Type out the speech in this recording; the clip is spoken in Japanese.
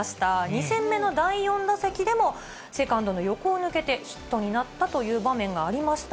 ２戦目の第４打席でもセカンドの横を抜けて、ヒットになったという場面がありました。